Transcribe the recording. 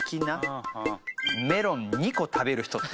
メロン２個食べる人って。